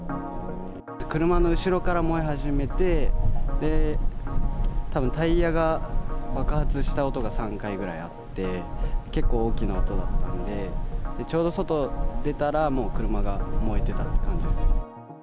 車の後ろから燃え始めて、たぶんタイヤが爆発した音が３回ぐらいあって、結構大きな音だったんで、ちょうど外出たら、もう車が燃えてた感じです。